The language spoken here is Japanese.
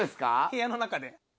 部屋の中で。